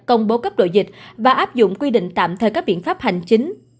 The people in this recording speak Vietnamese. công bố cấp độ dịch và áp dụng quy định tạm thời các biện pháp hành chính